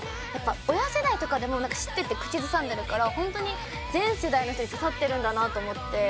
親世代とかでも知ってて口ずさんでるからホントに全世代の人にささってるんだなと思って。